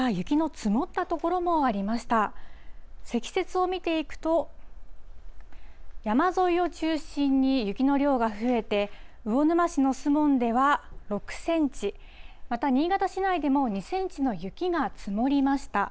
積雪を見ていくと、山沿いを中心に雪の量が増えて、魚沼市の守門では６センチ、また新潟市内でも２センチの雪が積もりました。